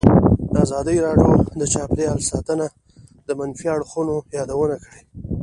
ازادي راډیو د چاپیریال ساتنه د منفي اړخونو یادونه کړې.